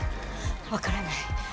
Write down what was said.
わからない。